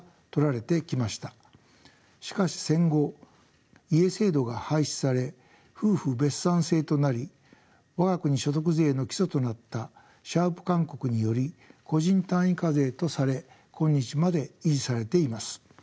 しかし戦後家制度が廃止され夫婦別産制となり我が国所得税の基礎となったシャウプ勧告により個人単位課税とされ今日まで維持されています。